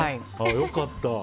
良かった。